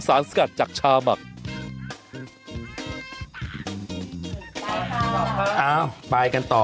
อ้าวไปกันต่อ